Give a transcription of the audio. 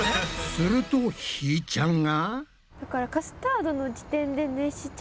するとひーちゃんが。